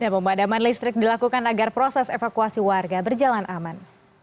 pemadaman listrik dilakukan agar proses evakuasi warga berjalan aman